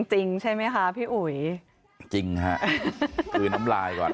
จริงใช่ไหมคะพี่อุ๋ยจริงหะฮะ